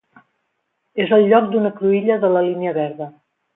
És el lloc d'una cruïlla de la Línia verda.